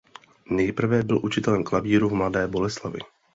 Nejprve byl učitelem klavíru v Mladé Boleslavi.